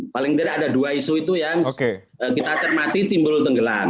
paling tidak ada dua isu itu yang kita cermati timbul tenggelam